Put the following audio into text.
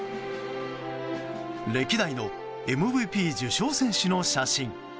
歴代のＭＶＰ受賞選手の写真。